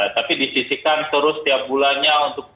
tapi disisikan terus setiap bulannya untuk